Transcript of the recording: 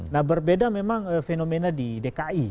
nah berbeda memang fenomena di dki